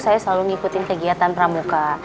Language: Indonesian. saya selalu ngikutin kegiatan pramuka